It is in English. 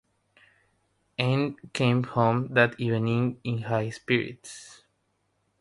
Anne came home that evening in high spirits.